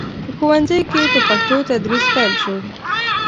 په ښوونځیو کې په پښتو تدریس پیل شو.